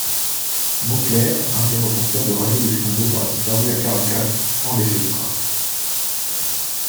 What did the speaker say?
Mauclère, un des reporters de Radio-Luxembourg a disparu à Caracas sans laisser de traces.